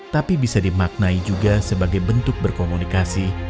tapi bisa dimaknai juga sebagai bentuk berkomunikasi